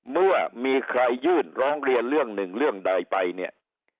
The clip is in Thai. เมื่อมีใครยื่นร้องเรียนเรื่องหนึ่งเรื่องใดไปเนี่ย